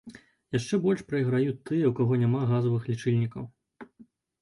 Яшчэ больш прайграюць тыя, у каго няма газавых лічыльнікаў.